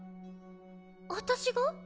私が？